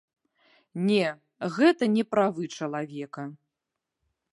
Не, гэта не правы чалавека.